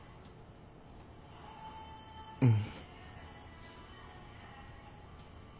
うん。